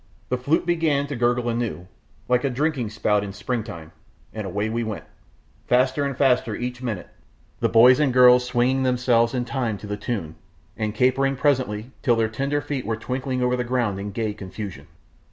The flute began to gurgle anew, like a drinking spout in spring time, and away we went, faster and faster each minute, the boys and girls swinging themselves in time to the tune, and capering presently till their tender feet were twinkling over the ground in gay confusion.